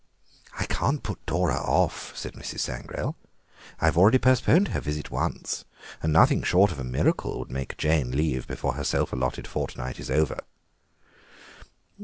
"I can't put Dora off," said Mrs. Sangrail. "I've already postponed her visit once, and nothing short of a miracle would make Jane leave before her self allotted fortnight is over."